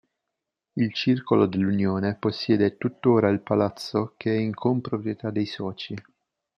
Il Circolo dell'Unione possiede tuttora il palazzo, che è in comproprietà dei soci.